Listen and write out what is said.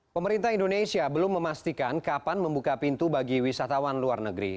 pemerintah indonesia belum memastikan kapan membuka pintu bagi wisatawan luar negeri